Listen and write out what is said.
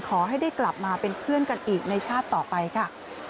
ขอให้ได้กลับมาเป็นเพื่อนกันอีกในชาติต่อไปค่ะ